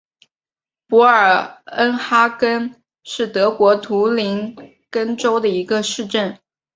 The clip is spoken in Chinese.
博尔恩哈根是德国图林根州的一个市镇。